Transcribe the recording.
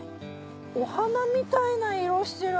お花みたいな色してる。